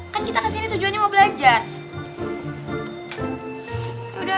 kan kita kesini tujuannya mau belajar